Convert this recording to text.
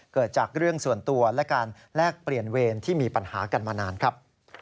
เกิดจากเรื่องส่วนตัวและการแลกเปลี่ยนเวรที่มีปัญหากันมานานครับ